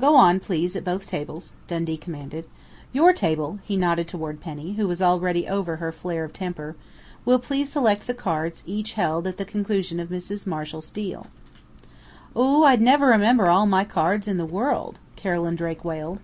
"Go on, please, at both tables," Dundee commanded. "Your table " he nodded toward Penny, who was already over her flare of temper, "will please select the cards each held at the conclusion of Mrs. Marshall's deal." "Oooh, I'd never remember all my cards in the world," Carolyn Drake wailed.